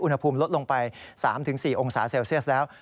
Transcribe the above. อุณหภูมิลดลงไป๓๔องศาเซลเซียสแล้ว